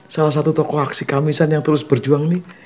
salah satu tokoh aksi kamisan yang terus berjuang nih